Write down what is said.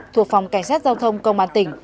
thuộc phòng cảnh sát giao thông công an tỉnh